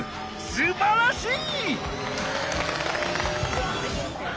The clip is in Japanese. すばらしい！